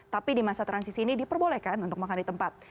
tapi di masa transisi ini diperbolehkan untuk makan di tempat